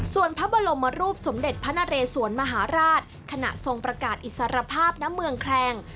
ส่วนพระบรมรูปสมเด็จพระนเรสวนมหาราชขณะทรงประกาศอิสรภาพณเมืองแคลง